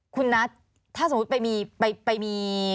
คุณนัทถ้าสมมุติไปมี